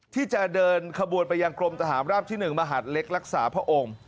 ที่จะเดินขบวนไปยังกรมทหารราบที่๑มหาดเล็กรักษาพระองค์